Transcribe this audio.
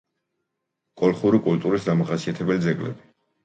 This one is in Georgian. კოლხური კულტურის დამახასიათებელი ძეგლები